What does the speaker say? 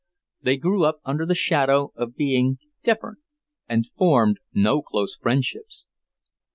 They grew up under the shadow of being "different," and formed no close friendships.